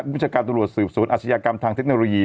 ประชาการตำรวจสืบสวนอาชญากรรมทางเทคโนโลยี